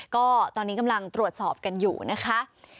ก็ตอนนี้กำลังตรวจสอบกันอยู่นะคะ